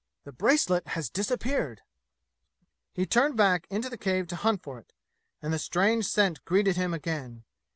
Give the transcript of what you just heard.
The bracelet has disappeared! He turned back into the cave to hunt for it, and the strange scent greeted him again.